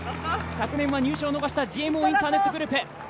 昨年は入賞を逃したＧＭＯインターネットグループ。